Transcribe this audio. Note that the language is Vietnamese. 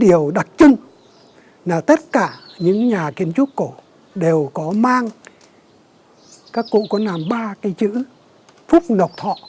điều đặc trưng là tất cả những nhà kiến trúc cổ đều có mang các cụ có làm ba cái chữ phúc ngọc thọ